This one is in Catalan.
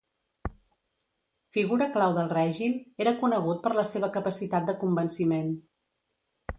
Figura clau del règim, era conegut per la seva capacitat de convenciment.